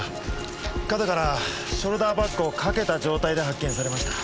肩からショルダーバッグをかけた状態で発見されました。